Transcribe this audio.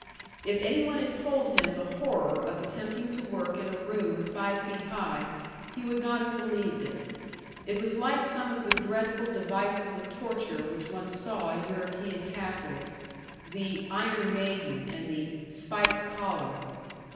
If any one had told him the horror of attempting to work in a room five feet high, he would not have believed it. It was like some of the dreadful devices of torture which one saw in European castles, the "iron maiden" and the "spiked collar."